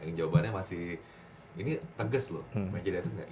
yang jawabannya masih ini tegas loh pengen jadi atlet nggak